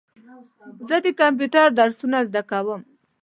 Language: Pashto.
زه د کمپیوټر درسونه زده کوم.